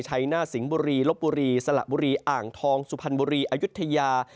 ไชณศิงบุรีลบบุรีซุละบุรีอ่างทองสุพรรณบุรีอยุธยา